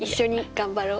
頑張ろう。